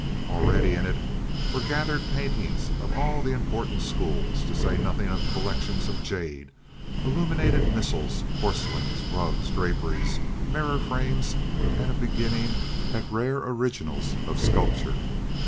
Already in it were gathered paintings of all the important schools; to say nothing of collections of jade, illumined missals, porcelains, rugs, draperies, mirror frames, and a beginning at rare originals of sculpture.